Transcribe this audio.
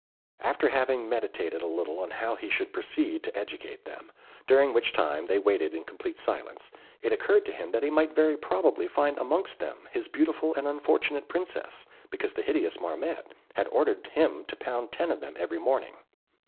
After having meditated a little as to how he should proceed to educate them, during which time they waited in complete silence, it occurred to him that he might very probably find amongst them his beautiful and unfortunate Princess, because the hideous Marmotte had ordered him to pound ten of them every morning.